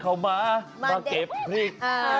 เข้ามาเกิดุคเพชรเกงพริก